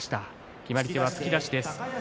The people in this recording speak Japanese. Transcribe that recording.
決まり手は突き出しです。